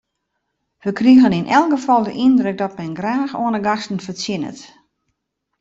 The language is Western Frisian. Wy krigen yn elk gefal de yndruk dat men graach oan de gasten fertsjinnet.